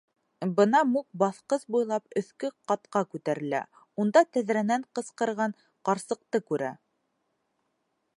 Бына Мук баҫҡыс буйлап өҫкө ҡатҡа күтәрелә, унда тәҙрәнән ҡысҡырған ҡарсыҡты күрә.